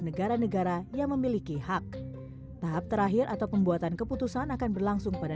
negara negara yang memiliki hak tahap terakhir atau pembuatan keputusan akan berlangsung pada